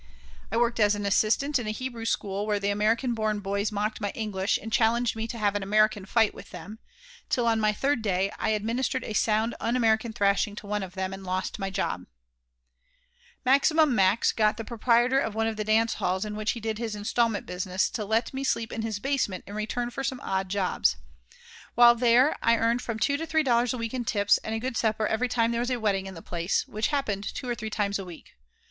I worked as assistant in a Hebrew school where the American born boys mocked my English and challenged me to have an "American fight" with them, till on the third day I administered a sound un American thrashing to one of them and lost my job Maximum Max got the proprietor of one of the dance halls in which he did his instalment business to let me sleep in his basement in return for some odd jobs. While there I earned from two to three dollars a week in tips and a good supper every time there was a wedding in the place, which happened two or three times a week.